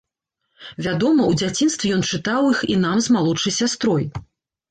Вядома, у дзяцінстве ён чытаў іх і нам з малодшай сястрой.